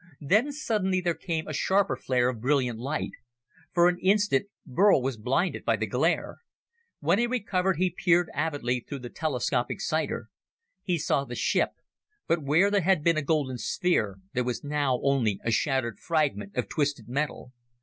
Then suddenly there came a sharper flare of brilliant light. For an instant Burl was blinded by the glare. When he recovered, he peered avidly through the telescopic sighter. He saw the ship, but where there had been a golden sphere there was now only a shattered fragment of twisted metal.